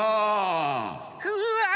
うわ！